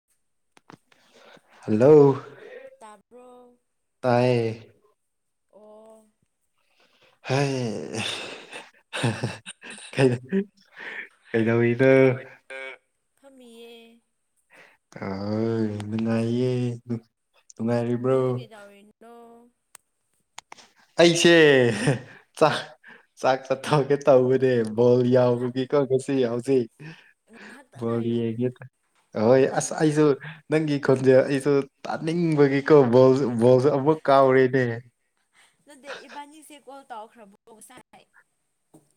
[unintelligible] hello ꯇꯥꯕꯔꯣ ꯇꯥꯏꯌꯦ ꯑꯣ ꯍꯥꯏ ꯀꯩꯗꯧꯋꯤ ꯀꯩꯗꯧꯔꯤꯅꯣ ꯐꯝꯃꯤꯌꯦ [unintelligible] ꯅꯨꯡꯉꯥꯏꯔꯤꯕ꯭ꯔꯣ ꯅꯪꯗꯤ ꯀꯩꯗꯧꯔꯤꯅꯣ ꯑꯩꯁꯦ ꯆꯥꯛ ꯆꯥꯛ ꯆꯊꯣꯛꯒꯦ ꯇꯧꯕꯅꯦ ꯕꯣꯜ ꯉꯍꯥꯛ ꯌꯥꯎꯕꯒꯤ ꯉꯁꯤ ꯍꯧꯖꯤꯛ ꯉꯍꯥꯛꯇꯪ ꯕꯣꯜ ꯍꯥꯏꯌꯣ ꯌꯦꯡꯒꯦ ꯇꯧꯏ ꯅꯪ ꯑꯁ ꯑꯩꯁꯨ ꯅꯪꯒꯤ ꯈꯣꯟꯖꯦ ꯑꯩꯁꯨ ꯇꯥꯅꯤꯡꯕꯒꯤꯀꯣ ꯕꯣꯜ ꯕꯣꯜꯁꯨ ꯑꯃꯨꯛ ꯀꯥꯎꯔꯦꯅꯦ ꯅꯗꯦ ꯏꯕꯥꯅꯤꯁꯦ ꯀꯣꯜ ꯇꯧꯈ꯭ꯔꯕꯣ ꯉꯥꯁꯥꯏ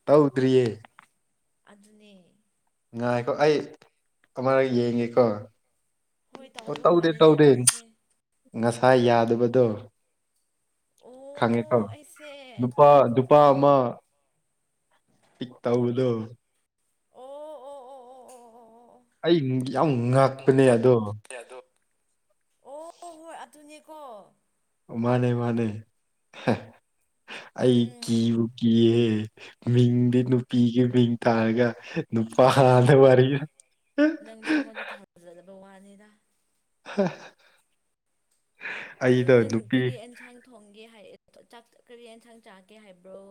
ꯇꯧꯗ꯭ꯔꯤꯌꯦ ꯑꯗꯨꯅꯦ ꯉꯥꯏꯀꯣ ꯑꯩ ꯑꯃꯔꯛ ꯌꯦꯡꯉꯦꯀꯣ ꯍꯣꯏ ꯑꯣ ꯇꯧꯗꯕ ꯇꯧꯗꯦ ꯃꯥꯜꯂꯦꯗ ꯇꯧꯗꯦ ꯏꯕꯥꯅꯤꯁꯦ ꯉꯁꯥꯏ ꯌꯥꯗꯕꯗꯣ ꯈꯪꯉꯦꯀꯣ ꯑꯣ ꯑꯩꯁꯦ ꯅꯨꯄꯥ ꯅꯨꯄꯥ ꯑꯃ ꯄꯤꯛ ꯇꯧꯕꯗꯣ ꯑꯣ ꯑꯣ ꯑꯣ ꯑꯩ ꯌꯥꯝ ꯉꯥꯛꯄꯅꯦ ꯑꯣ ꯑꯗꯣ ꯑꯣ ꯑꯗꯣ ꯑꯣ ꯍꯣꯏ ꯑꯗꯨꯅꯦꯀꯣ ꯃꯥꯅꯦ ꯃꯥꯅꯦ ꯑꯩ ꯎꯝ ꯀꯤꯕꯨ ꯀꯤꯌꯦ ꯃꯤꯡꯗꯤ ꯅꯨꯄꯤꯒꯤ ꯃꯤꯡ ꯇꯥꯔꯒ ꯑꯗꯨꯅꯦ ꯅꯨꯄꯗꯥ ꯋꯥꯔꯤ ꯐꯖꯗꯕ ꯋꯥꯅꯤꯅ ꯍ ꯑꯗꯨ ꯅꯪ ꯀꯔꯤ ꯌꯦꯟꯁꯥꯡ ꯊꯣꯡꯒꯦ ꯍꯥꯏ ꯀꯔꯤ ꯌꯦꯟꯁꯥꯡ ꯆꯥꯒꯦ ꯍꯥꯏꯕ꯭ꯔꯣ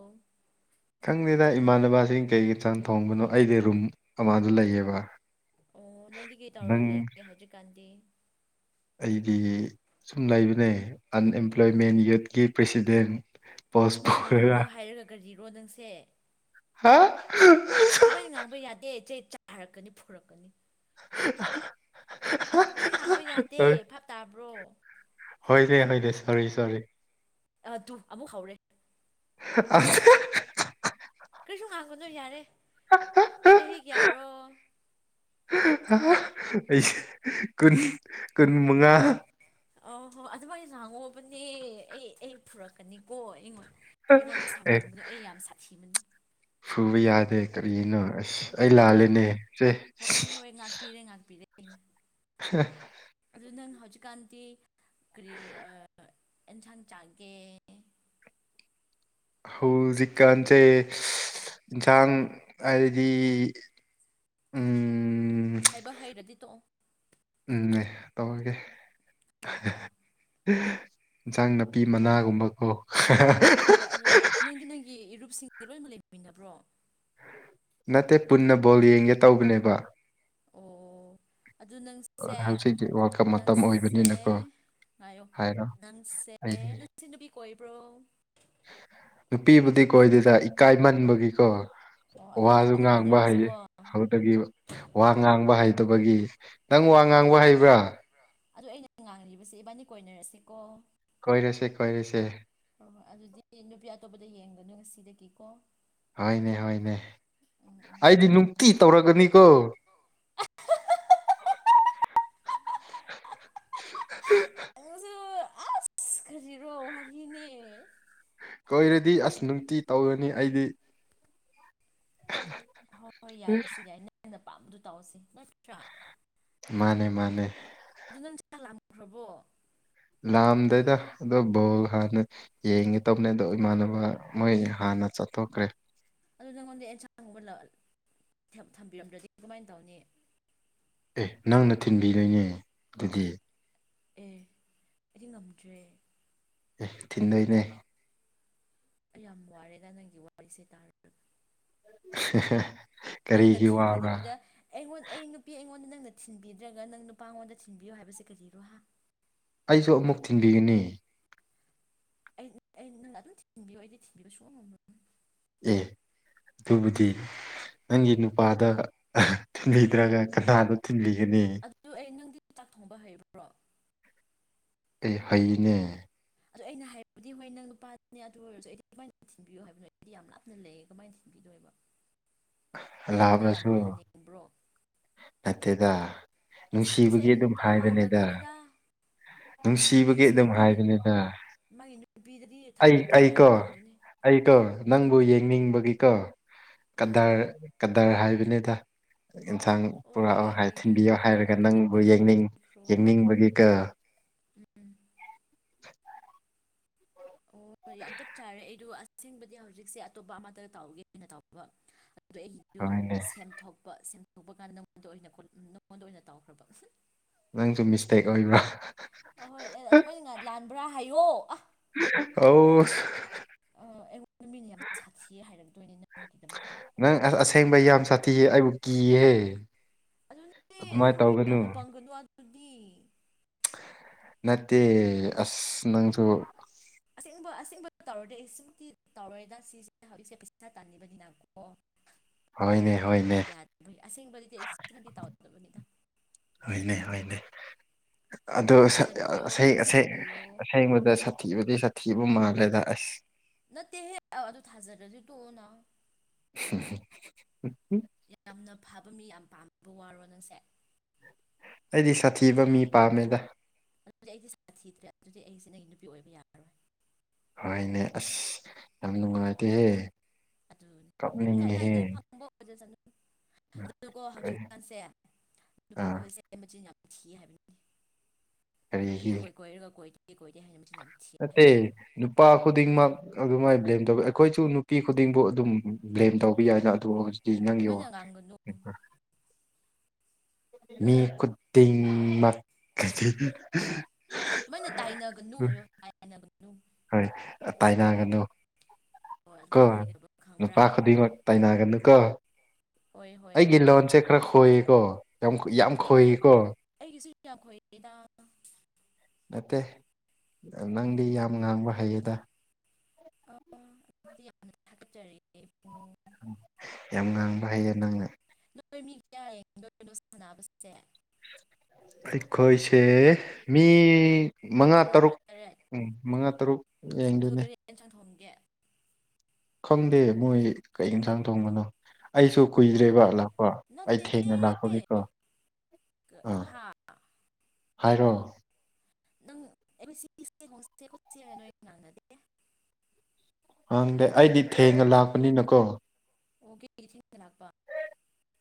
ꯈꯪꯗꯦꯗ ꯏꯃꯥꯟꯅꯕꯁꯤꯡ ꯀꯩ ꯏꯟꯁꯥꯡ ꯊꯣꯡꯕꯅꯣ ꯑꯩꯗꯤ ꯔꯨꯝ ꯑꯃꯗ ꯂꯩꯌꯦꯕ ꯑꯣ ꯅꯪꯗꯤ ꯀꯩ ꯅꯪ ꯇꯧꯔꯒ ꯂꯩꯒꯦ ꯍꯧꯖꯤꯛꯀꯥꯟꯗꯤ ꯑꯩꯗꯤ ꯁꯨꯝ ꯂꯩꯕꯅꯦ ꯑꯟꯑꯦꯝꯄ꯭ꯂꯣꯏꯃꯦꯟ ꯌꯨꯠꯀꯤ ꯄ꯭ꯔꯁꯤꯗꯦꯟ ꯑꯗꯨꯃꯥꯏꯅ ꯉꯥꯡꯒꯅꯣ ꯍꯥꯏꯔꯒ ꯀꯔꯤꯔꯣ ꯅꯪꯁꯦ ꯍꯥ ꯑꯗꯨ ꯃꯥꯅ ꯉꯥꯡꯕ ꯌꯥꯗꯦ ꯏꯆꯦ ꯆꯥꯔꯛꯀꯅꯤ ꯐꯨꯔꯛꯀꯅꯤ ꯑꯗꯨꯨꯃꯥꯏꯅ ꯉꯥꯡꯕ ꯌꯥꯗꯦ ꯚꯥꯞ ꯇꯥꯕ꯭ꯔꯣ ꯍꯣꯏꯅꯦ ꯍꯣꯏꯅꯦ ꯁꯣꯔꯤ ꯁꯣꯔꯤ ꯗꯨ ꯑꯃꯨꯛ ꯍꯧꯔꯦ [unintelligible] ꯀꯔꯤꯁꯨ ꯉꯥꯡꯒꯅꯨ ꯌꯥꯔꯦ ꯆꯍꯤ ꯀꯌꯥꯔꯣ ꯑꯩꯁꯦ ꯀꯨꯟ ꯀꯨꯟ ꯃꯉꯥ ꯑ ꯍꯣꯏ ꯑꯗꯨꯃꯥꯏꯅ ꯂꯥꯡꯉꯣꯕꯅꯦ ꯑꯩ ꯑꯩ ꯐꯨꯔꯛꯀꯅꯤꯀꯣ ꯑꯩꯉꯣꯟꯗ ꯑꯩꯉꯣꯟꯗ ꯁꯥꯥꯎꯍꯟꯕꯗꯣ ꯑꯩ ꯌꯥꯝ ꯁꯊꯤꯕꯅꯤ ꯐꯨꯕ ꯌꯥꯗꯦ ꯀꯔꯤꯅꯣ ꯑꯁ ꯑꯩ ꯍꯣꯏ ꯂꯥꯜꯂꯦꯅꯦ ꯁꯦ ꯍꯣꯏ ꯍꯣꯏ ꯉꯥꯛꯄꯤꯔꯦ ꯉꯥꯛꯄꯤꯔꯦ ꯑꯩꯅ ꯍꯥ ꯑꯗꯨ ꯅꯪ ꯍꯧꯖꯤꯛꯀꯥꯟꯗꯤ ꯀꯔꯤ ꯑꯦꯟꯁꯥꯡ ꯆꯥꯛꯒꯦ ꯍꯧꯖꯤꯛꯀꯥꯟꯁꯦ ꯏꯟꯁꯥꯡ ꯍꯥꯏꯗꯤ ꯎꯝ ꯍꯥꯏꯕ ꯍꯩꯔꯗꯤ ꯇꯣꯛꯑꯣ ꯎꯝꯅꯦ ꯇꯧꯔꯒꯦ ꯍꯣꯏ ꯇꯣꯛꯑꯣ ꯏꯟꯁꯥꯡ ꯅꯥꯄꯤ ꯃꯅꯥꯒꯨꯝꯕꯀꯣ ꯍꯣꯏ ꯑꯗꯨꯅ ꯅꯪꯗꯤ ꯅꯪꯒꯤ ꯏꯔꯨꯞꯁꯤꯡꯗꯨ ꯂꯣꯏꯅꯃꯛ ꯂꯩꯃꯤꯟꯅꯕ꯭ꯔꯣ ꯅꯠꯇꯦ ꯄꯨꯟꯅ ꯕꯣꯜ ꯌꯦꯡꯒꯦ ꯇꯧꯕꯅꯦꯕ ꯑꯣ ꯑꯗꯨ ꯅꯪꯁꯦ ꯍꯧꯖꯤꯛꯇꯤ ꯋꯥꯔꯜ ꯀꯞ ꯃꯇꯝ ꯅꯪꯁꯦ ꯑꯣꯏꯕꯅꯤꯅꯀꯣ ꯉꯥꯏꯌꯣ ꯍꯥꯏꯔꯣ ꯅꯪꯁꯦ ꯑꯩ ꯅꯪꯁꯤ ꯅꯨꯄꯤ ꯀꯣꯏꯕ꯭ꯔꯣ ꯅꯨꯄꯤꯕꯨꯗꯤ ꯀꯣꯏꯗꯦꯗ ꯏꯀꯥꯏꯃꯟꯕꯒꯤ ꯀꯣ ꯑꯣ ꯑꯗꯨꯗꯤ ꯋꯥꯁꯨ ꯏꯕꯥꯅꯤ ꯉꯥꯡꯕ ꯍꯩꯌꯦ ꯀꯣꯏꯅꯔꯁꯦꯀꯣ ꯍꯧꯗꯒꯤꯕ ꯋꯥ ꯉꯥꯡꯕ ꯍꯩꯇꯕꯒꯤ ꯅꯪ ꯋꯥ ꯉꯥꯡꯕ ꯋꯥ ꯍꯩꯕ꯭ꯔꯥ ꯉꯥꯡꯕ ꯍꯩꯕ꯭ꯔꯥ ꯑꯗꯣ ꯑꯩꯅ ꯉꯥꯡꯂꯤꯕꯁꯦ ꯏꯕꯥꯅꯤ ꯀꯣꯏꯅꯔꯁꯤꯀꯣ ꯀꯣꯏꯔꯁꯦ ꯀꯣꯏꯔꯁꯦ ꯍꯣꯏ ꯍꯣꯏ ꯑꯗꯨꯗꯤ ꯅꯨꯄꯤ ꯑꯇꯣꯞꯄꯗ ꯌꯦꯡꯒꯅꯨ ꯉꯁꯤꯗꯒꯤꯀꯣ ꯍꯣꯏꯅꯦ ꯍꯣꯏꯅꯦ ꯎꯝ ꯎꯝ ꯑꯩꯗꯤ ꯅꯨꯡꯇꯤ ꯇꯧꯔꯒꯅꯤꯀꯣ ꯑꯍ ꯅꯪꯉꯁꯨ ꯑꯁ ꯀꯔꯤꯔꯣ ꯍꯥꯏꯕꯅꯤꯅꯦ ꯀꯣꯏꯔꯗꯤ ꯑꯁ ꯅꯨꯡꯇꯤ ꯇꯧꯔꯅꯤ ꯑꯩꯗꯤ ꯍꯣꯏ ꯍꯣꯏ ꯌꯥꯏ ꯗꯨꯁꯨ ꯌꯥꯏ ꯅꯪꯅ ꯄꯥꯝꯕꯗꯨ ꯇꯧꯔꯁꯤ ꯅꯠꯇ꯭ꯔꯥ ꯃꯥꯅꯦ ꯃꯥꯅꯦ ꯑꯗꯨ ꯅꯪ ꯆꯥꯛ ꯂꯥꯝꯈ꯭ꯔꯕꯣ ꯂꯥꯝꯗꯦꯗ ꯑꯗꯨ ꯕꯣꯜ ꯍꯥꯟꯅ ꯌꯦꯡꯒꯦ ꯇꯧꯕꯅꯦ ꯑꯗꯣ ꯃꯣꯏ ꯏꯃꯥꯟꯅꯕ ꯃꯣꯏ ꯍꯥꯟꯅ ꯆꯠꯊꯣꯛꯈ꯭ꯔꯦ ꯑꯗꯨ ꯅꯪꯉꯣꯟꯗ ꯑꯦꯟꯁꯥꯡꯒꯨꯝꯕ ꯂ ꯊꯦꯝ ꯊꯝꯕꯤꯔꯝꯗ꯭ꯔꯗꯤ ꯀꯃꯥꯏꯅ ꯇꯧꯅꯤ ꯑꯦ ꯅꯪꯅ ꯊꯤꯟꯕꯤꯗꯣꯏꯅꯦ ꯑꯗꯨꯗꯤ ꯑꯦ ꯑꯩꯗꯤ ꯉꯝꯗ꯭ꯔꯦ ꯑꯦ ꯊꯤꯟꯗꯣꯏꯅꯦ ꯑꯩ ꯌꯥꯝ ꯋꯥꯔꯦꯗ ꯅꯪꯒꯤ ꯋꯥꯔꯤꯁꯦ ꯇꯥꯔ ꯅꯪꯅ ꯀꯔꯤꯒꯤ ꯋꯥꯕ꯭ꯔꯥ ꯊꯤꯟꯕꯤꯗꯕꯤꯗ ꯑꯩꯉꯣꯟ ꯑꯩ ꯅꯨꯄꯤ ꯑꯩꯉꯣꯟꯗ ꯅꯪꯅ ꯊꯤꯟꯕꯤꯗ꯭ꯔꯒ ꯅꯪ ꯅꯨꯄꯥꯉꯣꯟꯗ ꯊꯤꯟꯕꯤꯌꯣ ꯍꯥꯏꯕꯁꯦ ꯀꯔꯤꯔꯣ ꯍꯥ ꯑꯩꯁꯨ ꯑꯃꯨꯛ ꯊꯤꯟꯕꯤꯒꯅꯤ ꯑꯩ ꯑꯩꯗꯤ ꯅꯪꯅ ꯑꯗꯨꯝ ꯊꯤꯟꯕꯤꯌꯣ ꯑꯩꯗꯤ ꯊꯤꯟꯕꯤꯕ ꯁꯨꯉꯝ ꯉꯝꯃꯣꯏ ꯑꯦ ꯑꯗꯨꯕꯨꯗꯤ ꯅꯪꯒꯤ ꯅꯨꯄꯥꯗ ꯑꯍ ꯊꯤꯟꯕꯤꯗ꯭ꯔꯒ ꯀꯅꯥꯗ ꯊꯤꯟꯕꯤꯒꯅꯤ ꯑꯗꯨ ꯑꯩ ꯅꯪꯗꯤ ꯆꯥꯛ ꯊꯣꯡꯕ ꯍꯩꯕ꯭ꯔꯣ ꯑꯩ ꯍꯩꯅꯦ ꯑꯗꯣ ꯑꯩꯅ ꯍꯥꯏꯕꯗꯤ ꯍꯣꯏ ꯅꯪ ꯅꯨꯄꯥꯅꯦ ꯑꯗꯨ ꯑꯣꯏꯔꯁꯨ ꯑꯩꯗꯤ ꯀꯃꯥꯏꯅ ꯊꯤꯟꯕꯤꯌꯣ ꯍꯥꯏꯕꯅꯣ ꯑꯩꯗꯤ ꯌꯥꯝ ꯂꯥꯞꯅ ꯂꯩꯌꯦ ꯀꯃꯥꯏꯅ ꯊꯤꯟꯕꯤꯗꯣꯏꯕ ꯅꯪ ꯑꯩꯉꯣꯟꯗ ꯌꯥꯝ ꯋꯥꯍꯟꯅꯤꯡꯕ꯭ꯔꯣ ꯅꯠꯇꯦꯗꯥ ꯑꯁ ꯅꯪꯁꯦ ꯑꯩꯒꯤ ꯅꯨꯄꯥ ꯃꯥꯜꯂꯛꯇ꯭ꯔꯦꯗꯥ ꯅꯨꯡꯁꯤꯕꯒꯤ ꯑꯗꯨꯝ ꯃꯤꯁꯤꯡꯗꯤ ꯍꯥꯏꯕꯅꯤꯗ ꯃꯥꯒꯤ ꯅꯨꯄꯤꯗꯗꯤ ꯑꯩ ꯊꯕꯛꯇꯤ ꯑꯩꯀꯣ ꯇꯧꯍꯟꯅꯤꯡꯗꯝꯅ‌ꯦ ꯑꯩꯀꯣ ꯅꯪꯕꯨ ꯌꯦꯡꯅꯤꯡꯕꯒꯤꯀꯣ ꯑꯥ ꯀꯗꯥꯔ ꯀ ꯗꯔ ꯍꯥꯏꯕꯅꯤꯗ ꯑꯦꯟꯁꯥꯡ ꯑꯣ ꯄꯨꯔꯛꯑꯣ ꯍꯥꯏ ꯌꯥꯔꯦ ꯊꯤꯟꯕꯤꯌꯣ ꯌꯥꯔꯦ ꯍꯥꯏꯔꯒ ꯅꯪꯒꯤ ꯅꯪꯕꯨ ꯀꯇꯔꯗꯨ ꯌꯦꯡꯅꯤꯡ ꯇꯣꯛꯄꯤꯈ꯭ꯔꯣ ꯌꯦꯡꯅꯤꯡꯕꯒꯤ ꯀꯣ ꯎꯝ [unintelligible] ꯑꯣ ꯌꯥꯝ ꯆꯞ ꯆꯥꯔꯦ ꯑꯩꯗꯣ ꯑꯁꯦꯡꯕꯗꯤ ꯍꯧꯖꯤꯛꯁꯦ ꯑꯇꯣꯞꯄ ꯑꯃꯗ ꯇꯥꯎꯒꯦ ꯑꯅ ꯇꯧꯕ ꯑꯗꯨꯗꯣ ꯑꯩꯗꯨ ꯍꯣꯏꯅꯦ ꯁꯦꯝꯗꯣꯛꯄ ꯁꯦꯝꯗꯣꯛꯄ ꯀꯥꯟꯗ ꯅꯪꯉꯣꯟꯗ ꯑꯣꯏꯅ ꯀ‌ꯣꯜ ꯅꯪꯉꯣꯟꯗ ꯑꯣꯏꯅ ꯇꯥꯎꯈ꯭ꯔꯕ ꯅꯪꯁꯨ ꯃꯤꯁꯇꯦꯛ ꯑꯣꯏꯕ꯭ꯔꯣ ꯑꯍꯣꯏ ꯑꯗꯨꯃꯥꯏꯅ ꯂꯥꯟꯕ꯭ꯔꯥ ꯍꯥꯏꯌꯣ ꯑ ꯑꯥꯎ ꯑ ꯑꯩꯉꯣꯟꯗ ꯃꯤꯅ ꯌꯥꯝ ꯁꯥꯊꯤ ꯍꯥꯏꯔꯝꯗꯣꯏꯅꯦ ꯅꯪꯒꯤꯗꯃꯛ ꯅꯪ ꯑꯁ ꯑꯁꯦꯡꯕ ꯌꯥꯝ ꯁꯥꯊꯤꯌꯦ ꯑꯩꯕꯨ ꯀꯤꯌꯦꯍꯦ ꯑꯗꯨꯃꯥꯏꯅ ꯇꯧꯒꯅꯨ ꯗꯨꯗꯤ ꯅꯠꯇꯦ ꯑꯁ ꯅꯪꯁꯨ ꯑꯁꯦꯡꯕ ꯑꯁꯦꯡꯕ ꯇꯧꯔꯗꯤ ꯁꯨꯝꯇꯤ ꯇꯧꯔꯣꯏꯗ ꯁꯤꯁꯦ ꯍꯧꯖꯤꯛꯁꯦ ꯄꯩꯁꯥ ꯇꯥꯅꯤꯡꯕꯅꯤꯅ ꯑꯣ ꯍꯣꯏꯅꯦ ꯍꯣꯏꯅꯦ ꯑꯩꯈꯣꯏ ꯑꯁꯦꯡꯕꯗꯤ ꯑꯩ ꯁꯤꯃꯗꯤ ꯇꯥꯎꯔꯥꯗꯕꯅꯤꯗ ꯍꯣꯏꯅꯦ ꯍꯣꯏꯅꯦ ꯑꯗꯣ ꯊꯥꯖꯕꯤꯌꯣ ꯑꯁꯦ ꯑꯁꯦ ꯊꯥꯖꯕꯤꯌꯣ ꯑꯁꯦꯡꯕꯗ ꯁꯥꯊꯤꯕꯗꯤ ꯁꯥꯊꯤꯕ ꯃꯥꯜꯂꯦꯗ ꯑꯁ ꯅꯠꯇꯦꯍꯦ ꯑꯗꯨ ꯊꯥꯖꯔꯗꯤ ꯇꯣꯛꯑꯣꯅ [unintelligible] ꯌꯥꯝꯅ ꯐꯕ ꯃꯤ ꯌꯥꯝ ꯄꯥꯝꯕ ꯋꯥꯔꯣ ꯅꯪꯁꯦ ꯑꯩꯗꯤ ꯁꯥꯊꯤꯕ ꯃꯤ ꯄꯥꯝꯃꯦꯗ ꯑꯗꯨꯗꯤ ꯑꯩꯗꯤ ꯁꯥꯊꯤꯗ꯭ꯔꯦ ꯑꯗꯨꯗꯤ ꯑꯩꯁꯤ ꯅꯪꯒꯤ ꯅꯨꯄꯤ ꯑꯣꯏꯕ ꯌꯥꯔꯔꯣꯏ ꯍꯣꯏꯅꯦ ꯑꯁ ꯌꯥꯝ ꯅꯨꯡꯉꯥꯏꯇꯦꯍꯦ ꯑꯗꯨꯅꯤ ꯑꯗꯨ ꯀꯥ ꯀꯞꯅꯤꯡꯉꯦꯍꯦ ꯀꯥꯏꯗꯦ ꯐꯪꯕ ꯑꯣꯏꯖꯁꯅꯨ ꯑꯗꯨꯀꯣ ꯀꯔꯤ ꯍꯧꯖꯤꯛꯀꯥꯟꯁꯦ ꯅꯨꯨꯄꯥ ꯑꯥ ꯈꯣꯏꯁꯦ ꯃꯆꯤꯟ ꯌꯥꯝ ꯊꯤ ꯍꯥꯏꯕꯅꯤ ꯅꯨꯄꯤ ꯀꯔꯤꯒꯤ ꯀꯣꯏ ꯀꯣꯏꯔꯒ ꯀꯣꯏꯗꯦ ꯀꯣꯏꯗꯦ ꯍꯥꯏꯅ ꯃꯆꯤꯟ ꯌꯥꯝ ꯊꯤ ꯅꯠꯇꯦ ꯍꯥꯏꯕꯅꯤꯉꯣ ꯅꯨꯞ ꯅꯨꯄꯥ ꯈꯨꯗꯤꯡꯃꯛ ꯑꯗꯨꯃꯥꯏꯅ ꯕ꯭ꯂꯦꯝ ꯇꯧꯕꯤ ꯑꯩꯈꯣꯏꯁꯨ ꯅꯨꯄꯤ ꯈꯨꯗꯤꯡꯕꯨ ꯑꯗꯨꯝ ꯕ꯭ꯂꯦꯝ ꯇꯧꯕ ꯌꯥꯏꯅ ꯑꯗꯨ ꯍꯧꯖꯤꯛ ꯇꯤ ꯅꯪꯒꯤ ꯋꯥ ꯑꯗꯨꯃꯥꯏꯅ ꯉꯥꯡꯒꯅꯨ ꯃꯤ ꯈꯨꯗꯤꯡꯃꯛ ꯀꯩ [unintelligible] ꯑꯗꯨꯃꯥꯏꯅ ꯇꯥꯏꯅꯒꯅꯨ ꯍꯥꯏꯌ‌ꯣ ꯇꯥꯏꯅꯒꯅꯨ ꯍꯣꯏ ꯇꯥꯏꯅꯒꯅꯨ ꯍꯣꯏ ꯀꯣ ꯑꯗꯨꯃꯥꯏꯅ ꯍꯥꯏꯒꯗꯕ ꯈꯪꯕ꯭ꯔꯥ ꯅꯨꯄꯥꯈꯨꯗꯤꯡꯃꯛ ꯇꯥꯏꯅꯒꯅꯨ ꯀꯣ ꯍꯣꯏ ꯍꯣꯏ ꯑꯩꯒꯤ ꯍꯣꯏ ꯂꯣꯟꯁꯦ ꯈꯔ ꯈꯣꯏꯀꯣ ꯌꯥꯝ ꯌꯥꯝ ꯑꯩ ꯈꯣꯏꯀꯣ ꯑꯩꯒꯤꯁꯨ ꯌꯥꯝ ꯈꯣꯏꯗꯥ ꯅꯠꯇꯦ ꯅꯪ ꯅꯪꯗꯤ ꯌꯥꯝ ꯉꯥꯡꯕ ꯍꯩꯌꯦꯗ ꯑꯗꯨ ꯌꯥꯝꯅ ꯊꯥꯒꯠꯆꯔꯤꯑꯦ ꯏꯕꯨꯡꯉꯣ ꯌꯥꯝ ꯉꯥꯡꯕ ꯍꯩꯌꯦ ꯅꯪ ꯅꯣꯏ ꯃꯤ ꯀꯌꯥ ꯌꯦꯡꯗꯣꯏꯅꯣ ꯁꯥꯟꯅꯕꯁꯦ ꯑꯩꯈꯣꯏꯁꯦ ꯃꯤ ꯃꯉꯥ ꯇꯔꯨꯛ ꯎꯝ ꯃꯉꯥ ꯇꯔꯨꯛ ꯌꯦꯡꯗꯣꯏꯅꯦ ꯀꯩ ꯌꯦꯟꯖꯡ ꯊꯣꯡꯒꯦ ꯈꯪꯗꯦ ꯃꯣꯏ ꯀꯩ ꯌꯦꯟꯁꯥꯡ ꯊꯣꯡꯕꯅꯣ ꯑꯩꯁꯨ ꯑꯗꯨ ꯀꯨꯏꯗ꯭ꯔꯦꯕ ꯂꯥꯛꯄ ꯑꯩ ꯊꯦꯡꯅ ꯂꯥꯛꯄꯒꯤꯀꯣ ꯑꯥ ꯍꯥꯥ ꯍꯥꯏꯔꯣ [unintelligible] ꯍꯡꯗꯦ ꯑꯩꯗꯤ ꯊꯦꯡꯅ ꯂꯥꯛꯄꯅꯤꯅꯀꯣ ꯑꯣꯀꯔꯤꯒꯤ ꯊꯦꯡꯅ ꯂꯥꯛꯄ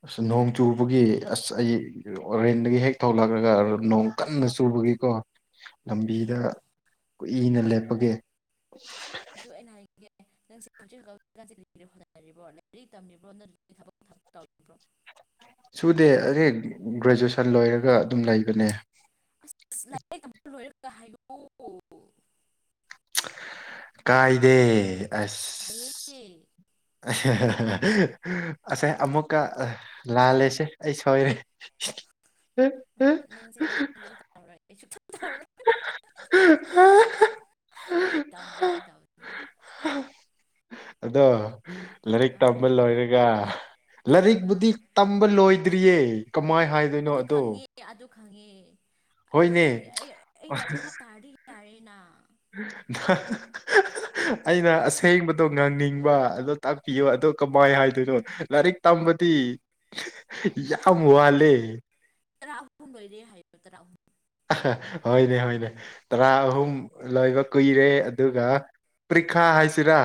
ꯑꯁ ꯅꯣꯡ ꯆꯨꯕꯒꯤ ꯑꯁ ꯑꯩ ꯑꯣꯔꯦꯟꯗꯒꯤ ꯍꯦꯛ ꯊꯣꯂꯛꯔꯒ ꯅꯣꯡ ꯀꯟꯅ ꯆꯨꯕꯒꯤꯀꯣ ꯂꯝꯕꯤꯗ ꯀꯨꯏꯅ ꯂꯦꯞꯄꯒꯦ ꯑꯗꯨ ꯑꯩꯅ ꯍꯥꯏꯒꯦ [unintelligible] ꯁꯨꯗꯦ ꯑꯩ ꯒ꯭ꯔꯦꯖꯨꯦꯁꯟ ꯂꯣꯏꯔꯒ ꯑꯗꯨꯝ ꯂꯩꯕꯅꯦ ꯑꯁ ꯂꯥꯏꯔꯤꯛ ꯇꯝꯕ ꯂꯣꯏꯔꯒ ꯍꯥꯏꯌꯣ ꯀꯥꯏꯗꯦ ꯑꯁ ꯐꯩꯌꯦ ꯑꯁꯦ ꯑꯃꯨꯛꯀ ꯂꯥꯜꯂꯦꯁꯦ ꯑꯩ ꯁꯣꯏꯔꯦ [inaudible] [unintelligible] ꯐꯒꯤ ꯇꯧꯅꯤꯗꯥ ꯐꯒꯤ ꯇꯧꯅꯤꯗꯥ [inaudible] ꯑꯗꯣ ꯀꯤꯔꯦ ꯂꯥꯏꯔꯤꯛ ꯑꯥ ꯇꯝꯕ ꯍꯥꯏꯌꯣ ꯂꯣꯏꯔꯒ ꯑꯥ ꯂꯥꯏꯔꯤꯛꯄꯨꯗꯤ ꯇꯝꯕ ꯂꯣꯏꯗ꯭ꯔꯤꯌꯦ ꯀꯃꯥꯏ ꯍꯥꯏ ꯑꯗꯨ ꯈꯪꯉꯦ ꯑꯗꯨ ꯈꯪꯉꯦ ꯑꯗꯨ ꯍꯣꯏꯅꯦ ꯈꯪꯉꯦ ꯑꯩ ꯑꯩꯅ ꯑꯗꯨꯝ ꯐꯥꯞ ꯇꯥꯔꯗꯤ ꯌꯔꯦꯅ [unintelligible] ꯑꯩꯅ ꯑꯁꯦꯡꯕꯗꯣ ꯉꯥꯡꯅꯤꯡꯕ ꯑꯗꯣ ꯇꯥꯛꯄꯤꯌꯨ ꯑꯗꯣ ꯀꯃꯥꯏ ꯍꯥꯏꯗꯣꯏꯅꯣ ꯂꯥꯏꯔꯤꯛ ꯇꯝꯕꯗꯤ ꯌꯥꯝ ꯋꯥꯠꯂꯦ [unintelligible] ꯍꯣꯏꯅꯦ ꯍꯣꯏꯅꯦ ꯇꯔꯥ ꯑꯍꯨꯝ ꯂꯣꯏꯕ ꯀꯨꯏꯔꯦ ꯑꯗꯨꯒ ꯄꯔꯤꯈꯥ ꯍꯥꯏꯁꯤꯔꯥ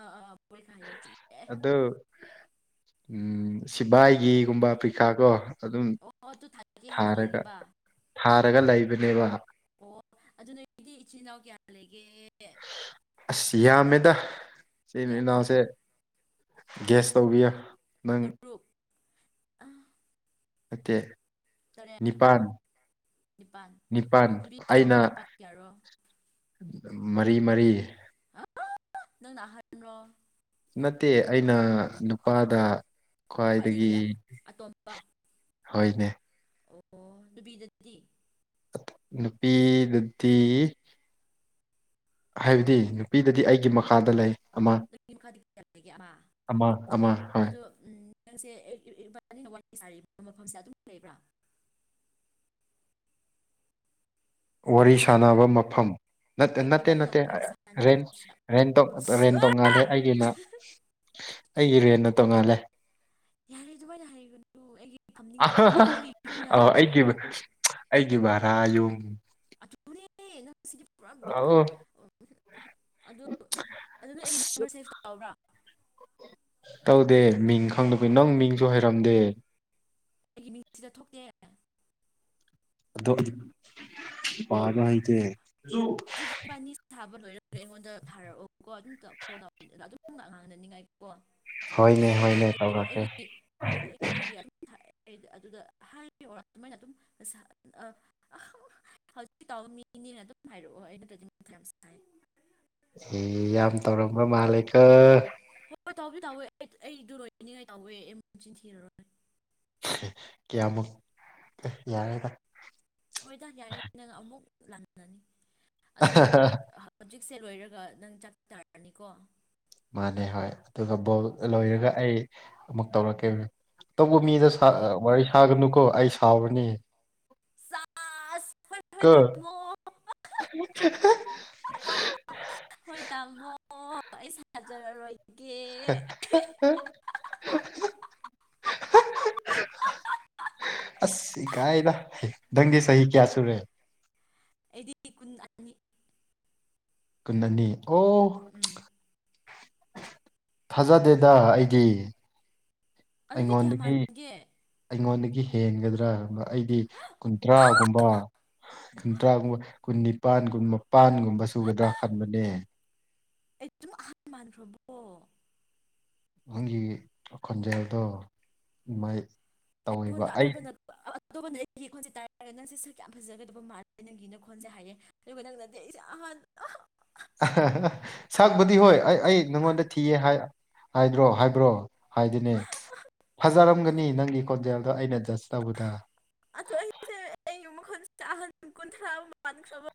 ꯑꯥ ꯑꯥ ꯄꯔꯤꯈꯥ ꯍꯥꯏꯌꯣ ꯆꯨꯝꯃꯦ ꯑꯗꯣ ꯎꯝ ꯁꯤꯚꯏꯒꯤꯒꯨꯝꯕ ꯄ꯭ꯔꯤꯈꯥ ꯀꯣ ꯑꯗꯨꯝ ꯑꯣ ꯑꯗꯨ ꯊꯥꯒꯦ ꯍꯥꯏꯅ ꯊꯥꯔꯒ ꯂꯩꯔꯤꯕ ꯊꯥꯔꯒ ꯂꯩꯕꯅꯦꯕ ꯑꯣ ꯑꯗꯨ ꯅꯣꯏꯒꯤꯗꯤ ꯏꯆꯤꯟ ꯏꯅꯥꯎ ꯀꯌꯥ ꯂꯩꯒꯦ ꯑꯁ ꯌꯥꯝꯃꯦꯗ ꯏꯆꯤꯟ ꯀꯌꯥ ꯍꯥꯏꯌꯣ ꯏꯅꯥꯎꯁꯦ ꯒꯦꯁ ꯇꯧꯕꯤꯌꯣ ꯅꯪ ꯑ ꯅꯠꯇꯦ ꯅꯤꯄꯥꯥꯟ ꯅꯤꯄꯥꯜ ꯅꯤꯄꯥꯟ ꯅꯨꯄꯤ ꯑꯩꯅ ꯀꯌꯥ ꯅꯨꯄꯥ ꯀꯌꯥꯔꯣ ꯃꯔꯤ ꯃꯔꯤ ꯅꯪꯅ ꯑꯍꯟꯔꯣ ꯅꯠꯇꯦ ꯑꯩꯅ ꯅꯨꯄꯥꯗ ꯈ꯭ꯋꯥꯏꯗꯒꯤ ꯍꯣꯏꯅꯦ ꯑꯣ ꯅꯨꯕꯤꯗꯗꯤ ꯅꯨꯄꯤ ꯂꯨꯗꯤ ꯍꯥꯏꯕꯗꯤ ꯅꯨꯄꯤꯗꯗꯤ ꯑꯩꯒꯤ ꯃꯈꯥꯗ ꯂꯩ ꯑꯃ ꯅꯪꯒꯤ ꯃꯈꯥꯗꯤ ꯀꯌꯥ ꯂꯩꯒꯦ ꯑꯃ ꯑꯃ ꯑꯃ ꯍꯣꯏ ꯑꯗꯨ ꯎꯝ ꯅꯪꯁꯦ ꯏꯕꯥꯅꯤꯅ ꯋꯥꯔꯤ ꯁꯥꯔꯤꯕ ꯃꯐꯝꯁꯦ ꯑꯗꯨꯝ ꯂꯩꯕ꯭ꯔꯥ ꯋꯥꯔꯤ ꯁꯥꯟꯅꯕ ꯃꯐꯝ ꯅꯠ ꯍꯣꯏ ꯅꯠꯇꯦ ꯏꯕꯥꯅꯤꯅ ꯅꯠꯇꯦ ꯋꯥꯔꯤ ꯔꯦꯟ ꯁꯥꯟꯅꯔꯤꯕꯁꯤꯗ ꯔꯦꯟꯗꯣꯛ ꯔꯦꯟ ꯇꯣꯡꯉꯥꯜꯂꯦ ꯑꯩꯒꯤꯅ ꯑꯩꯒꯤ ꯔꯦꯟꯅ ꯇꯣꯡꯉꯥꯜꯂꯦ ꯌꯥꯔꯦ ꯑꯗꯨꯃꯥꯏꯅ ꯍꯥꯏꯒꯅꯨ ꯑꯗꯨ ꯑꯩꯒꯤ ꯑ ꯐꯝꯅꯤꯡꯉꯥꯏ ꯑꯩꯒꯤ ꯌꯨꯝꯅ ꯍꯥꯏꯌꯣ ꯑꯩꯒꯤ ꯑꯩꯒꯤ ꯚꯔꯥ ꯌꯨꯝ ꯑꯗꯨꯅꯦ ꯅꯪꯁꯤꯗꯤꯞ ꯄꯨꯔꯥ ꯕꯤꯠꯀ ꯑꯧ ꯑꯗꯨ ꯑꯗꯨꯅꯦ ꯑꯩꯒꯤ ꯑꯁ ꯅꯝꯕ꯭ꯔ ꯁꯦꯞ ꯇꯧꯔꯕ꯭ꯔꯥ ꯇꯧꯗꯦ ꯃꯤꯡ ꯈꯪꯗꯕꯩ ꯅꯪ ꯃꯤꯡꯁꯨ ꯍꯥꯏꯔꯝꯗꯦ ꯑꯩꯒꯤ ꯃꯤꯡ ꯁꯤꯗ ꯊꯣꯛꯇꯦ ꯑꯗꯣ ꯑꯩꯗꯤ ꯄꯥꯕ ꯍꯩꯇꯦ ꯍꯧꯖꯤꯛ ꯏꯕꯥꯅꯤ ꯁꯥꯕ ꯂꯣꯏꯔꯒ ꯑꯩꯉꯣꯟꯗ ꯊꯥꯔꯛꯑꯣꯀꯣ ꯑꯗꯨꯝ ꯇꯧ ꯐꯣꯟ ꯑꯗꯨꯝ ꯉꯥꯡꯅꯅꯤꯡꯉꯥꯏꯀꯣ ꯍꯣꯏꯅꯦ ꯑꯩ ꯍꯣꯏꯅꯦ ꯈꯪꯗꯦꯕ ꯇꯧꯔꯛꯀꯦ ꯑꯩꯒꯤꯗꯤ ꯑꯩ ꯑꯩ ꯑꯩꯒꯤ ꯑꯗꯨꯝ ꯊꯥꯏ ꯑꯩꯗꯤ ꯑꯗꯨꯗ ꯍꯥꯏ ꯑꯣꯔ ꯑꯗꯨꯃꯥꯏꯅ ꯑꯗꯨꯝ ꯁꯥ ꯑ ꯑ ꯍꯧꯖꯤꯛ ꯇꯥꯎꯕ ꯃꯤꯅꯦꯅ ꯑꯗꯨꯝ ꯍꯥꯏꯔꯛꯑꯣ ꯑꯩꯩ ꯅꯠꯇ꯭ꯔꯗꯤ ꯃꯊꯥ ꯌꯥꯝ ꯁꯥꯏ ꯑꯦ ꯌꯥꯝ ꯇꯧꯔꯝꯕ ꯃꯥꯜꯂꯦꯀꯣ ꯍꯣꯏ ꯍꯣꯏ ꯍꯣꯏ ꯇꯧꯕꯨꯗꯤ ꯇꯧꯋꯦ ꯑꯩꯗꯨ ꯂꯣꯏꯅꯅꯤꯡꯉꯥꯏ ꯇꯧꯋꯦ ꯑꯩ ꯃꯆꯤꯟ ꯊꯤꯔꯔꯣꯏ ꯀꯌꯥꯃꯨꯛ ꯑꯦ ꯌꯥꯔꯦꯗ ꯍꯣꯏꯗ ꯌꯥꯔꯦ ꯅꯪ ꯑꯃꯨꯛ ꯂꯥꯟꯅꯅꯤ ꯑꯗꯨ ꯅꯪ ꯍꯧꯖꯤꯛꯁꯦ ꯂꯣꯏꯔꯒ ꯅꯪ ꯆꯥꯛ ꯇꯥꯔꯅꯤꯀꯣ ꯃꯥꯥꯟꯅꯦ ꯍꯣꯏ ꯑꯗꯨꯒ ꯕꯣꯜ ꯍꯣꯏ ꯂꯣꯏꯔꯒ ꯑꯩ ꯑꯃꯨꯛ ꯇꯧꯔꯛꯀꯦ ꯑꯇꯧꯕ ꯃꯤꯗ ꯍꯣꯏ ꯁꯥ ꯑꯩ ꯋꯥꯔꯤ ꯁꯥꯒꯅꯨꯀꯣ ꯑꯩ ꯁꯥꯥꯎꯔꯅꯤ ꯁꯥꯥꯁ ꯀꯣ ꯍꯣꯏ ꯇꯥꯃꯣ ꯑꯩ ꯁꯥꯖꯔꯔꯣꯏꯒꯦ [unintelligible] ꯑꯁ ꯏꯀꯥꯏꯗ ꯅꯪꯗꯤ ꯆꯍꯤ ꯀꯌꯥ ꯁꯨꯔꯦ ꯑꯩꯗꯤ ꯀꯨꯟꯑꯅꯤ ꯀꯨꯟꯑꯅꯤ ꯑꯣ ꯎꯝ ꯊꯥꯖꯗꯦꯗ ꯑꯩꯒꯤ ꯑꯗꯨꯗꯤ ꯀꯌꯥ ꯑꯩꯉꯣꯟꯗꯒꯤ ꯃꯥꯟꯒꯦ ꯑꯩꯉꯣꯟꯗꯒꯤ ꯍꯦꯟꯒꯗ꯭ꯔꯥꯕ ꯑꯩꯗꯤ ꯀꯨꯟꯇ꯭ꯔꯥꯒꯨꯝꯕ ꯀꯨꯟꯇ꯭ꯔꯥꯒꯨꯝꯕ ꯀꯨꯟꯅꯤꯄꯥꯟ ꯒꯨꯝꯕ ꯄꯥꯟꯒꯨꯝꯕ ꯁꯨꯒꯗ꯭ꯔꯥ ꯈꯟꯕꯅꯦ ꯑꯩ ꯆꯨꯃꯥꯛ ꯑꯍꯟ ꯃꯥꯟꯈ꯭ꯔꯕꯣ ꯅꯪꯒꯤ ꯈꯣꯟꯖꯦꯜꯗꯣ ꯏꯃꯥꯏꯛ ꯑꯩꯉꯣꯟꯗ ꯑꯇꯣꯞꯄꯅ ꯑꯇꯣꯞꯄꯅ ꯑꯩ ꯈꯣꯟꯁꯦ ꯇꯥꯔꯒ ꯅꯪꯁꯦ ꯁꯛ ꯌꯥꯝ ꯐꯖꯒꯗꯕ ꯃꯥꯜꯂꯦ ꯅꯪꯒꯤ ꯅꯈꯣꯟꯁꯦ ꯍꯥꯏꯌꯦ ꯑꯗꯨꯒ ꯅꯪꯅꯗꯤ ꯑꯩꯁꯦ ꯑꯍꯟ ꯑꯍ ꯁꯛꯄꯨꯗꯤ ꯍꯣꯏ ꯑꯩ ꯑꯩ ꯅꯪꯉꯣꯟꯗ ꯊꯤꯌꯦ ꯍꯥꯏ ꯍꯥꯏꯗ꯭ꯔꯣ ꯍꯥꯏꯕ꯭ꯔꯣ ꯍꯥꯏꯗꯤꯅꯦ ꯐꯖꯔꯝꯒꯅꯤ ꯅꯪꯒꯤ ꯈꯣꯟꯖꯦꯜꯗꯣ ꯑꯩꯅ ꯖ꯭ꯁ ꯇꯧꯕꯗ ꯑꯗꯣ ꯑꯩꯁꯦ ꯑꯩꯒꯤ ꯃꯈꯣꯟꯁꯦ ꯑꯍꯟ ꯀꯨꯟꯊ꯭ꯔꯥ ꯃꯥꯟꯈ꯭ꯔꯕꯣ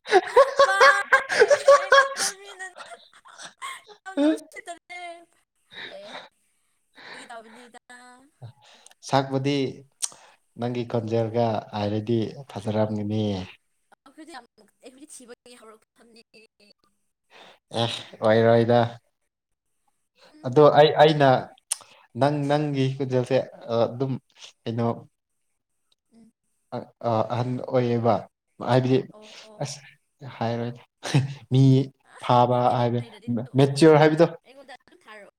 ꯃꯥꯅꯦ ꯑꯩꯉꯣꯟꯗ ꯃꯤꯅ ꯌꯥꯝꯅ ꯎꯁꯤꯠꯇꯕꯅꯦ ꯑꯦ ꯐꯥꯒꯤ ꯇꯧꯕꯅꯤꯗ ꯑꯥ ꯁꯛꯄꯨꯗꯤ ꯅꯪꯒꯤ ꯈꯣꯟꯖꯦꯜꯒ ꯍꯥꯏꯔꯗꯤ ꯐꯖꯔꯝꯒꯅꯤ ꯑꯈꯣꯏꯗꯤ ꯌꯥꯝ ꯑꯩꯈꯣꯏꯗꯤ ꯊꯤꯕꯒꯤ ꯍꯧꯔꯛꯐꯝꯅꯤ ꯑꯦ ꯑꯣꯏꯔꯣꯏꯗ ꯎꯝ ꯑꯗꯣ ꯑꯩ ꯑꯩꯅ ꯑꯩꯗꯤ ꯅꯪ ꯅꯪꯒꯤ ꯈꯣꯟꯖꯦꯜꯁꯦ ꯑꯗꯨꯝ ꯀꯩꯅꯣ ꯎꯝ ꯑ ꯑꯍꯟ ꯑꯣꯏꯌꯦꯕ ꯍꯥꯏꯕꯗꯤ ꯑꯣ ꯑꯁ ꯍꯥꯏꯔꯣꯏꯗ ꯃꯤ ꯐꯥꯕ ꯍꯩꯕ ꯍꯥꯏꯕ ꯃꯦꯆꯤꯌꯣꯔ ꯍꯥꯏꯕꯗꯣ ꯊꯥꯔꯣ